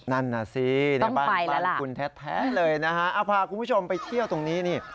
นั่นน่ะสิในบ้านคุณแท้เลยนะฮะเอาพาคุณผู้ชมไปเที่ยวตรงนี้นี่